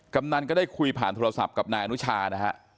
กำนันก็ได้คุยผ่านโทรศัพท์กับนายอนุชานะฮะ